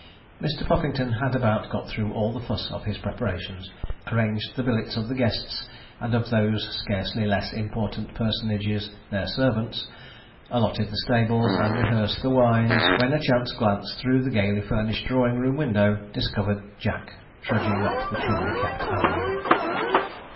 Mr. Puffington had about got through all the fuss of his preparations, arranged the billets of the guests and of those scarcely less important personages their servants, allotted the stables, and rehearsed the wines, when a chance glance through the gaily furnished drawing room window discovered Jack trudging up the trimly kept avenue.